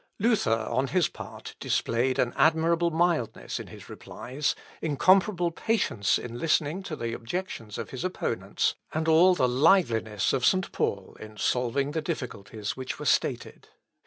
Luther, on his part, displayed an admirable mildness in his replies, incomparable patience in listening to the objections of his opponents, and all the liveliness of St. Paul in solving the difficulties which were started.